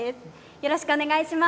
よろしくお願いします。